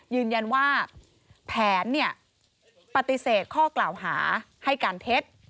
ยืนยันว่าแผนปฏิเสธข้อกล่าวหาให้การเท็จ